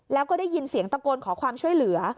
แล้วก็ได้ยินเสียงตะโกนขอความช่วยเหลือ